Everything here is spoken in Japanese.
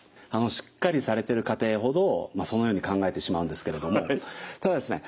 しっかりされてる家庭ほどそのように考えてしまうんですけれどもただですね